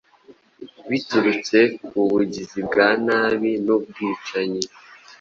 Biturutse ku bugizi bwa nabi nubwicanyi